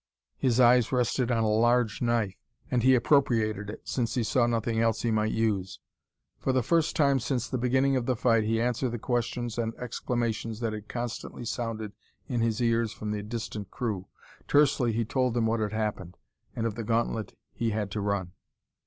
His eyes rested on a large knife, and he appropriated it, since he saw nothing else he might use. For the first time since the beginning of the fight he answered the questions and exclamations that had constantly sounded in his ears from the distant crew. Tersely he told them what had happened, and of the gauntlet he had to run.